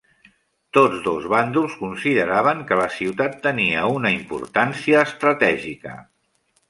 Tots dos bàndols consideraven que la ciutat tenia una importància estratègica.